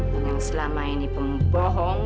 yang selama ini pembohong